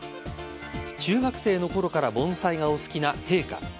中学生のころから盆栽がお好きな陛下。